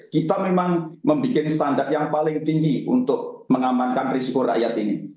kita memang membuat standar yang paling tinggi untuk mengamankan risiko rakyat ini